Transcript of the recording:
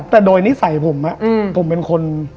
แต่โดยนิสัยผมผมเป็นคน